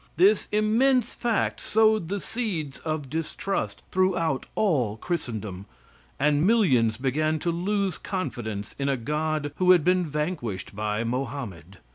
This immense fact sowed the seeds of distrust throughout all Christendom, and millions began to lose confidence in a God who had been vanquished by Mohammed.